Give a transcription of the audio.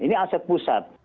ini aset pusat